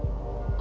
あ。